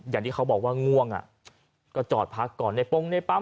อย่างที่เขาบอกว่าง่วงก็จอดพักก่อนในปงในปั๊ม